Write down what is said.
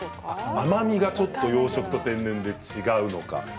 甘みがちょっと養殖と天然で違うのか。